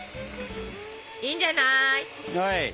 いいんじゃない。